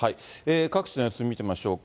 各地の様子見てみましょうか。